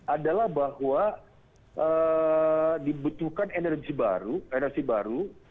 adalah bahwa dibutuhkan energi baru energi baru